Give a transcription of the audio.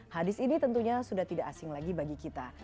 hadis ini tentunya sudah tidak asing lagi bagi kita